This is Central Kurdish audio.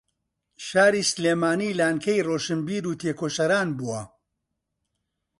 شاری سلێمانی لانکەی ڕۆشنبیر و تێکۆشەران بووە